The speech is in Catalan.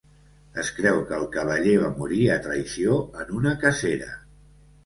Es creu que el cavaller va morí a traïció en una cacera.